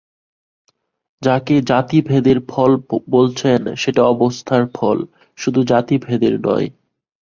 যাকে জাতিভেদের ফল বলছেন সেটা অবস্থার ফল, শুধু জাতিভেদের নয়।